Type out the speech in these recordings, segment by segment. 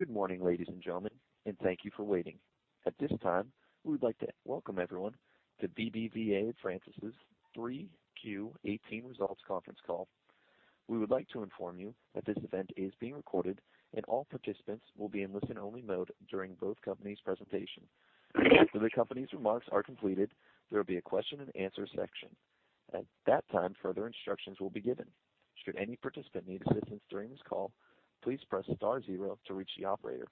Good morning, ladies and gentlemen, and thank you for waiting. At this time, we would like to welcome everyone to BBVA Francés's 3Q 2018 results conference call. We would like to inform you that this event is being recorded and all participants will be in listen-only mode during both companies' presentation. After the company's remarks are completed, there will be a question-and-answer section. At that time, further instructions will be given. Should any participant need assistance during this call, please press star zero to reach the operator.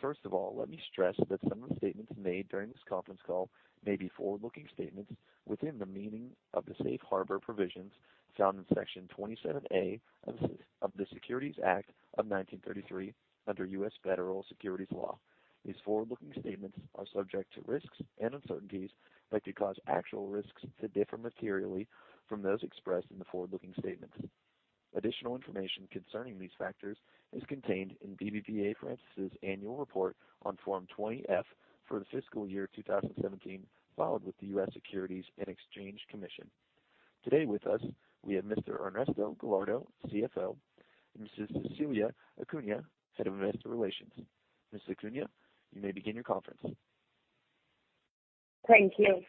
First of all, let me stress that some of the statements made during this conference call may be forward-looking statements within the meaning of the safe harbor provisions found in Section 27A of the Securities Act of 1933 under U.S. Federal Securities Law. These forward-looking statements are subject to risks and uncertainties that could cause actual risks to differ materially from those expressed in the forward-looking statements. Additional information concerning these factors is contained in BBVA Francés' annual report on Form 20-F for the fiscal year 2017, filed with the U.S. Securities and Exchange Commission. Today with us, we have Mr. Ernesto Gallardo, CFO, and Mrs. Cecilia Acuña, Head of Investor Relations. Ms. Acuña, you may begin your conference. Thank you.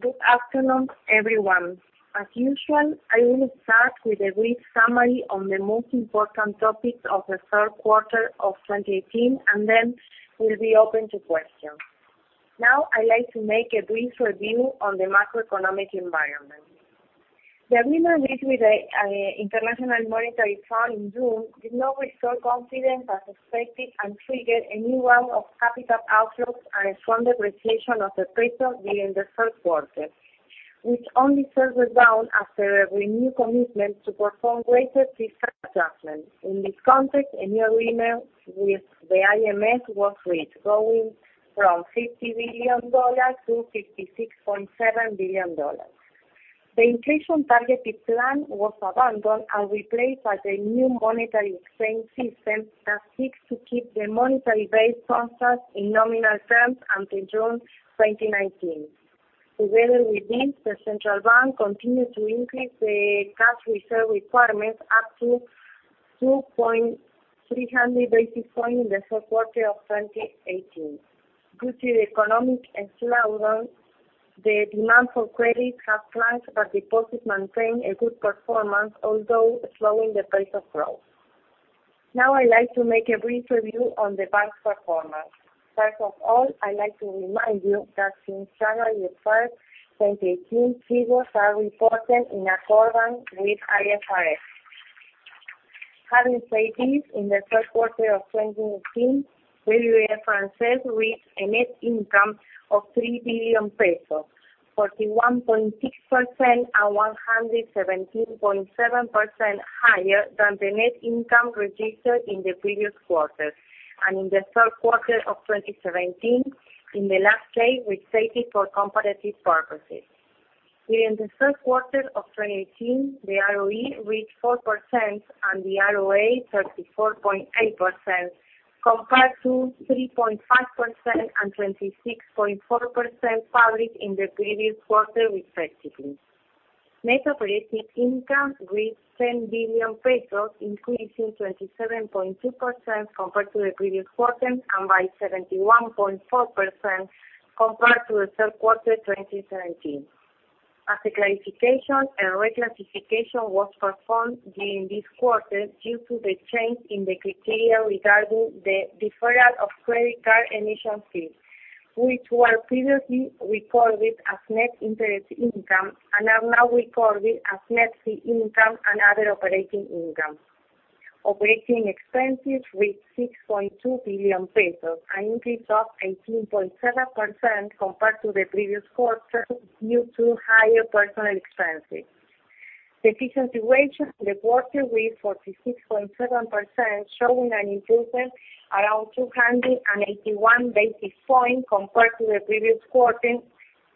Good afternoon, everyone. As usual, I will start with a brief summary on the most important topics of the third quarter of 2018. Then we'll be open to questions. Now, I'd like to make a brief review on the macroeconomic environment. The agreement reached with the International Monetary Fund in June did not restore confidence as expected and triggered a new round of capital outflows and a strong depreciation of the peso during the first quarter, which only further down after a renewed commitment to perform greater fiscal adjustments. In this context, a new agreement with the IMF was reached, going from $50 billion-$56.7 billion. The inflation targeted plan was abandoned and replaced by the new monetary exchange system that seeks to keep the monetary base process in nominal terms until June 2019. Together with this, the central bank continued to increase the cash reserve requirements up to 2,300 basis points in the fourth quarter of 2018. Due to the economic slowdown, the demand for credit has plunged but deposits maintain a good performance, although slowing the pace of growth. Now I'd like to make a brief review on the bank's performance. First of all, I'd like to remind you that since January 1st, 2018, figures are reported in accordance with IFRS. Having said this, in the third quarter of 2018, BBVA Francés reached a net income of 3 billion pesos, 41.6% and 117.7% higher than the net income registered in the previous quarter and in the third quarter of 2017. In the last case, we state it for comparative purposes. During the third quarter of 2018, the ROE reached 4% and the ROA 34.8%, compared to 3.5% and 26.4% published in the previous quarter, respectively. Net operating income reached 10 billion pesos, increasing 27.2% compared to the previous quarter and by 71.4% compared to the third quarter 2017. As a clarification, a reclassification was performed during this quarter due to the change in the criteria regarding the deferral of credit card emission fees, which were previously recorded as net interest income and are now recorded as net fee income and other operating income. Operating expenses reached 6.2 billion pesos, an increase of 18.7% compared to the previous quarter due to higher personnel expenses. The efficiency ratio in the quarter was 46.7%, showing an improvement around 281 basis points compared to the previous quarter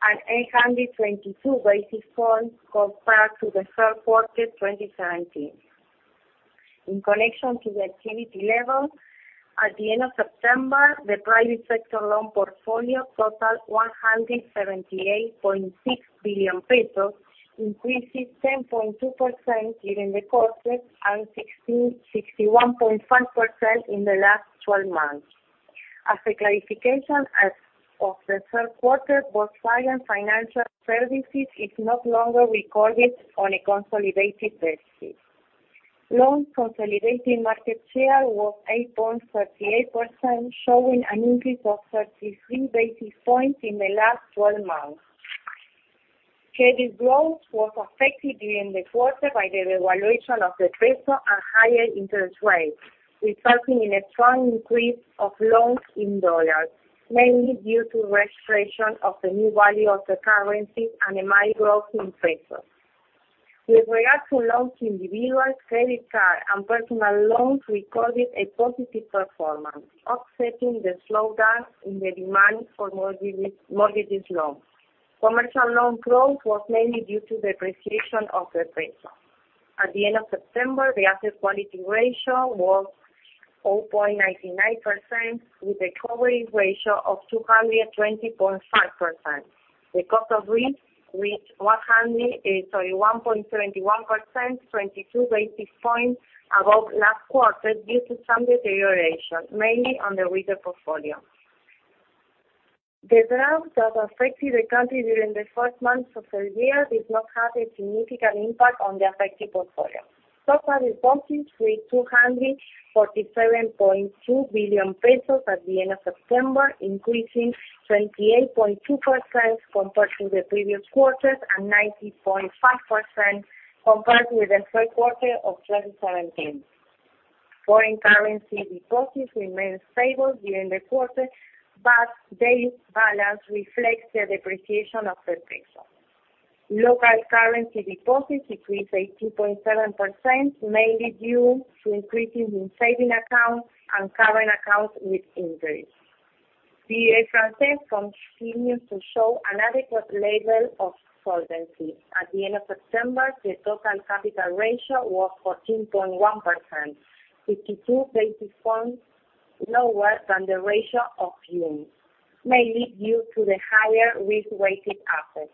and 822 basis points compared to the third quarter 2017. In connection to the activity level, at the end of September, the private sector loan portfolio totaled ARS 178.6 billion, increasing 10.2% during the quarter and 61.5% in the last 12 months. As a clarification, as of the third quarter, [Bosstan Financial Services] is no longer recorded on a consolidated basis. Loan consolidated market share was 8.38%, showing an increase of 33 basis points in the last 12 months. Credit growth was affected during the quarter by the devaluation of the peso and higher interest rates, resulting in a strong increase of loans in U.S. dollars, mainly due to registration of the new value of the currency and a mild growth in pesos. With regard to loans to individuals, credit card and personal loans recorded a positive performance, offsetting the slowdown in the demand for mortgages loans. Commercial loan growth was mainly due to the depreciation of the peso. At the end of September, the asset quality ratio was 0.99%, with a coverage ratio of 220.5%. The cost of risk reached 1.21%, 22 basis points above last quarter due to some deterioration, mainly on the retail portfolio. The drought that affected the country during the first months of the year did not have a significant impact on the affected portfolio. Total deposits reached 247.2 billion pesos at the end of September, increasing 28.2% compared to the previous quarter and 90.5% compared with the third quarter of 2017. Foreign currency deposits remained stable during the quarter, but this balance reflects the depreciation of the peso. Local currency deposits increased 18.7%, mainly due to increases in saving accounts and current accounts with interest. BBVA Francés continues to show an adequate level of solvency. At the end of September, the total capital ratio was 14.1%, 52 basis points lower than the ratio of June, mainly due to the higher risk-weighted assets,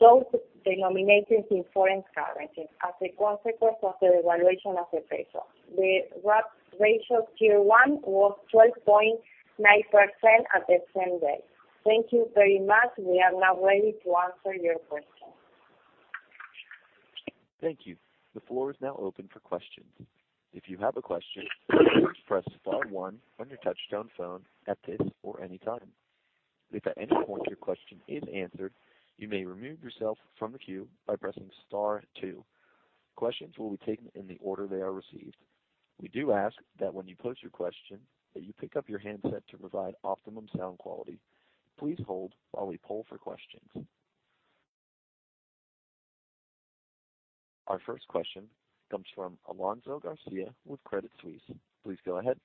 those denominated in foreign currency as a consequence of the devaluation of the peso. The RWA ratio Tier 1 was 12.9% at the same date. Thank you very much. We are now ready to answer your questions. Thank you. The floor is now open for questions. If you have a question, please press star one on your touchtone phone at this or any time. If at any point your question is answered, you may remove yourself from the queue by pressing star two. Questions will be taken in the order they are received. We do ask that when you pose your question, that you pick up your handset to provide optimum sound quality. Please hold while we poll for questions. Our first question comes from Alonso Garcia with Credit Suisse. Please go ahead.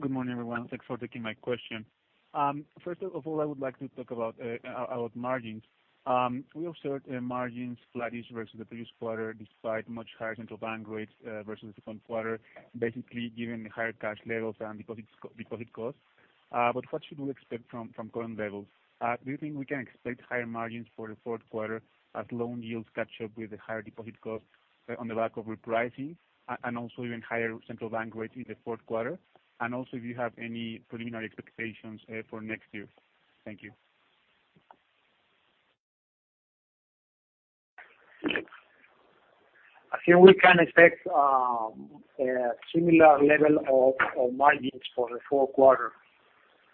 Good morning, everyone. Thanks for taking my question. First of all, I would like to talk about margins. We observed margins flattish versus the previous quarter, despite much higher central bank rates versus the second quarter, basically given the higher cash levels and deposit costs. What should we expect from current levels? Do you think we can expect higher margins for the fourth quarter as loan yields catch up with the higher deposit costs on the back of repricing and also even higher central bank rates in the fourth quarter? Also, if you have any preliminary expectations for next year. Thank you. I think we can expect a similar level of margins for the fourth quarter.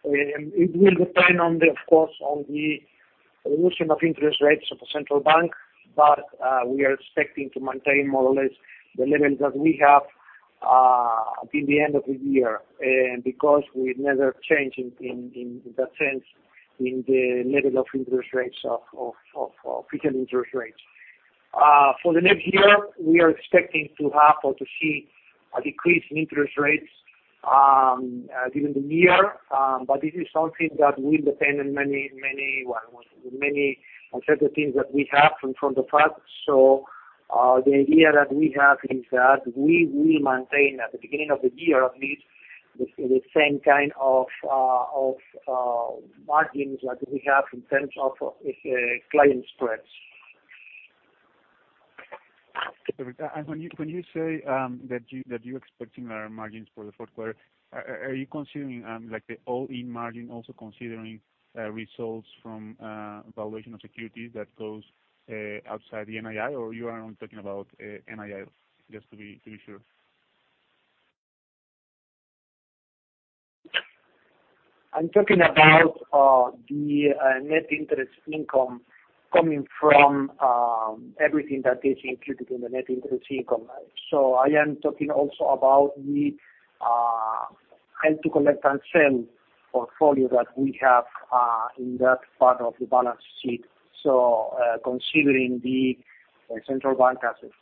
It will depend, of course, on the evolution of interest rates of the central bank. We are expecting to maintain more or less the level that we have in the end of the year, because we never change, in that sense, in the level of interest rates, of retail interest rates. For the next year, we are expecting to have or to see a decrease in interest rates during the year. This is something that will depend on many uncertainty things that we have in front of us. The idea that we have is that we will maintain, at the beginning of the year at least, the same kind of margins that we have in terms of client spreads. When you say that you're expecting margins for the fourth quarter, are you considering the all-in margin, also considering results from valuation of securities that goes outside the NII, or you are only talking about NII, just to be sure? I'm talking about the net interest income coming from everything that is included in the net interest income. I am talking also about the hold to collect and sell portfolio that we have in that part of the balance sheet. Considering the central bank assets.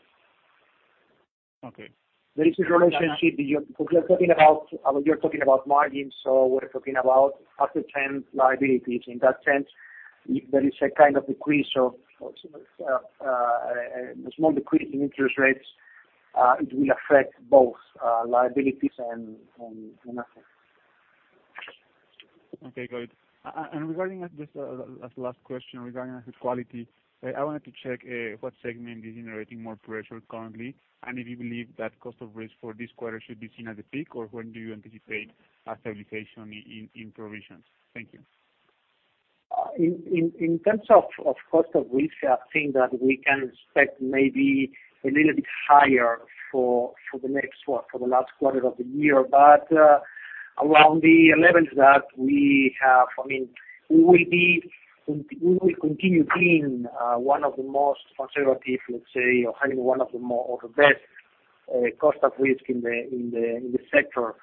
Okay. There is a relationship. You're talking about margins, we're talking about up to 10 liabilities. In that sense, there is a kind of decrease, a small decrease in interest rates. It will affect both liabilities and assets. Okay, got it. Regarding, just as last question, regarding asset quality, I wanted to check what segment is generating more pressure currently, and if you believe that cost of risk for this quarter should be seen at the peak, or when do you anticipate a stabilization in provisions? Thank you. In terms of cost of risk, I think that we can expect maybe a little bit higher for the last quarter of the year. Around the levels that we have, we will continue being one of the most conservative, let's say, or having one of the best cost of risk in the sector.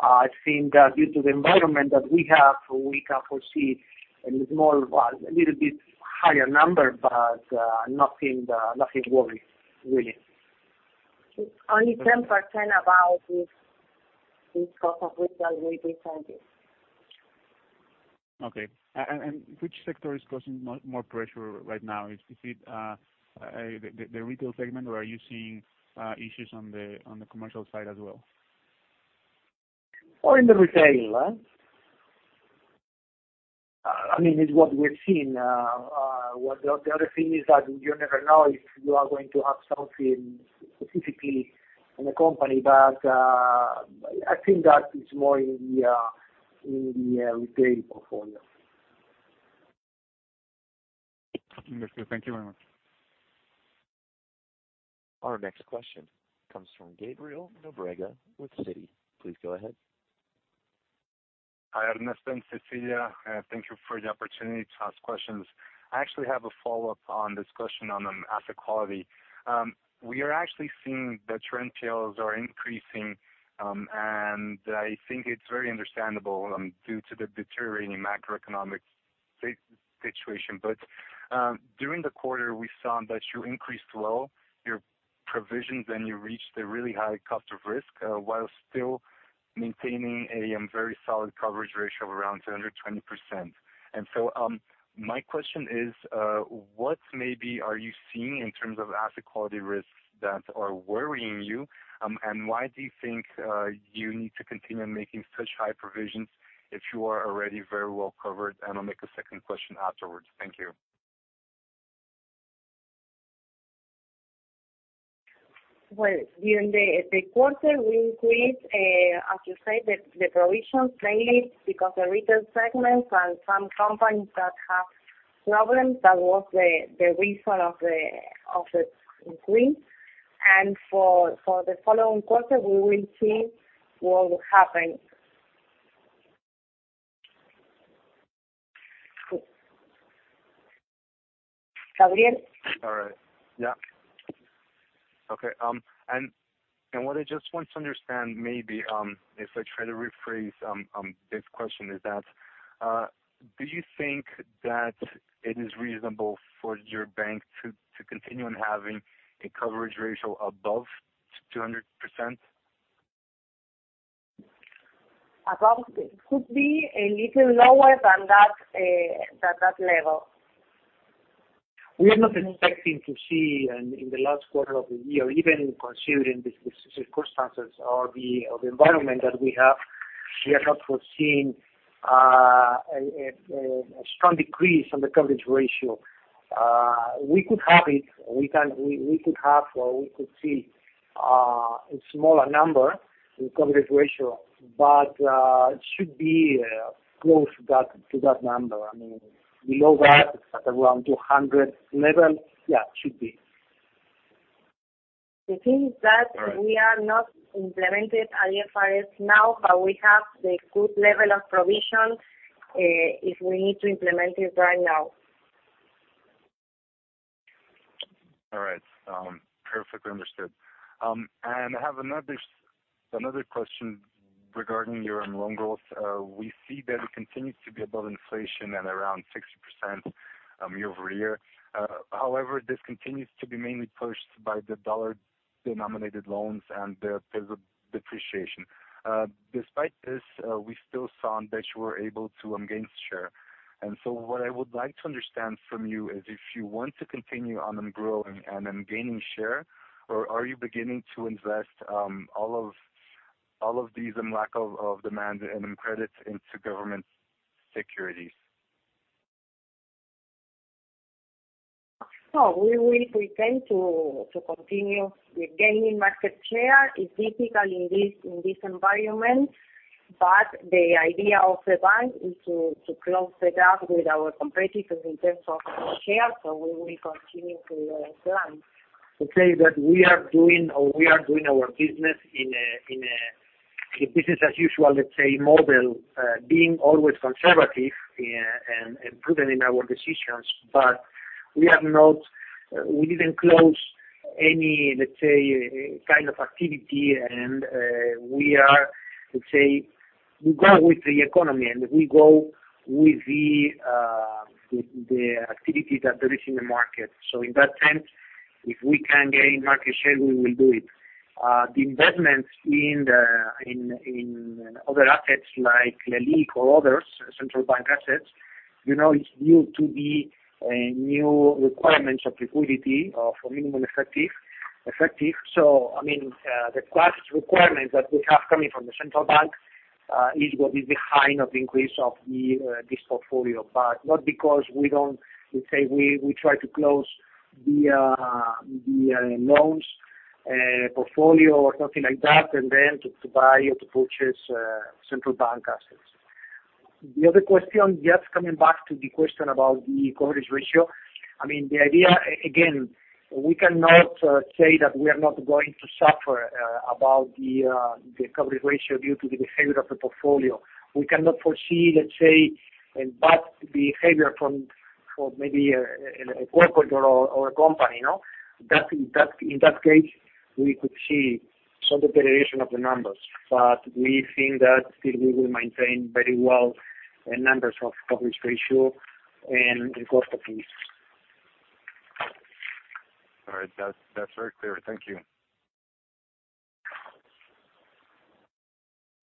I think that due to the environment that we have, we can foresee a little bit higher number, nothing worrying, really. It's only 10% above this cost of risk that we presented. Okay. Which sector is causing more pressure right now? Is it the retail segment, or are you seeing issues on the commercial side as well? In the retail. It's what we're seeing. The other thing is that you never know if you are going to have something specifically in the company, but I think that is more in the retail portfolio. Understood. Thank you very much. Our next question comes from Gabriel Nóbrega with Citi. Please go ahead. Hi, Ernesto and Cecilia. Thank you for the opportunity to ask questions. I actually have a follow-up on this question on asset quality. We are actually seeing that trend sales are increasing, and I think it's very understandable, due to the deteriorating macroeconomic situation. During the quarter, we saw that you increased your provisions, and you reached a really high cost of risk, while still maintaining a very solid coverage ratio of around 220%. My question is, what maybe are you seeing in terms of asset quality risks that are worrying you? Why do you think you need to continue making such high provisions if you are already very well covered? I'll make a second question afterwards. Thank you. Well, during the quarter, we increased, as you said, the provisions, mainly because the retail segments and some companies that have problems, that was the reason of the increase. For the following quarter, we will see what will happen. Gabriel? All right. Yeah. Okay. What I just want to understand, maybe, if I try to rephrase this question, is that, do you think that it is reasonable for your bank to continue on having a coverage ratio above 200%? Above. It could be a little lower than that level. We are not expecting to see in the last quarter of the year, even considering the circumstances or the environment that we have, we are not foreseeing a strong decrease on the coverage ratio. We could have or we could see a smaller number in coverage ratio, but it should be close to that number. Below that, at around 200 level. Yeah, it should be. The thing is that we are not implemented IFRS now, we have the good level of provision, if we need to implement it right now. All right. Perfectly understood. I have another question regarding your loan growth. We see that it continues to be above inflation at around 60% year-over-year. However, this continues to be mainly pushed by the dollar-denominated loans and the peso depreciation. Despite this, we still saw that you were able to gain share. What I would like to understand from you is if you want to continue on growing and gaining share, or are you beginning to invest all of these lack of demand and credits into government securities? No, we will intend to continue with gaining market share. It's difficult in this environment, the idea of the bank is to close the gap with our competitors in terms of share. We will continue to do that. Let's say that we are doing our business in a business as usual, let's say, model, being always conservative and prudent in our decisions. We didn't close any, let's say, kind of activity, and we are, let's say, we go with the economy, and we go with the activity that there is in the market. In that sense, if we can gain market share, we will do it. The investments in other assets like LELIQ or others, central bank assets, it's due to the new requirements of liquidity or for minimum cash reserve. The cash reserve requirements that we have coming from the central bank is what is behind of increase of this portfolio, but not because we try to close the loans portfolio or something like that, and then to buy or to purchase central bank assets. The other question, just coming back to the question about the coverage ratio. The idea, again, we cannot say that we are not going to suffer about the coverage ratio due to the behavior of the portfolio. We cannot foresee, let's say, a bad behavior from maybe a corporate or a company. In that case, we could see some deterioration of the numbers. We think that still we will maintain very well numbers of coverage ratio and cost of risk. All right. That's very clear. Thank you.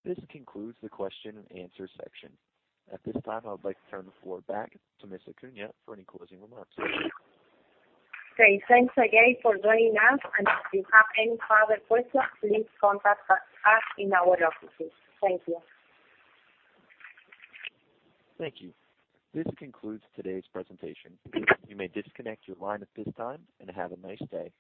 This concludes the question and answer section. At this time, I would like to turn the floor back to Ms. Acuña for any closing remarks. Okay. Thanks again for joining us, and if you have any further questions, please contact us in our offices. Thank you. Thank you. This concludes today's presentation. You may disconnect your line at this time, and have a nice day.